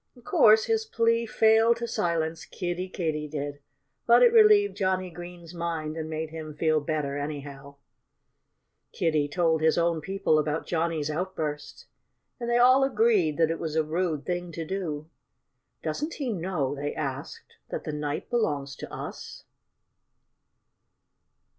Of course, his plea failed to silence Kiddie Katydid. But it relieved Johnnie Green's mind and made him feel better, anyhow. Kiddie told his own people about Johnnie's outburst. And they all agreed that it was a rude thing to do. "Doesn't he know," they asked, "that the night belongs to us?"